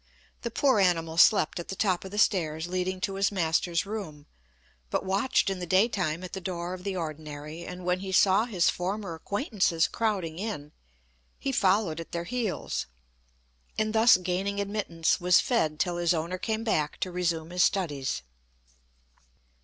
The poor animal slept at the top of the stairs leading to his master's room, but watched in the day time at the door of the ordinary, and when he saw his former acquaintances crowding in, he followed at their heels, and thus gaining admittance was fed till his owner came back to resume his studies.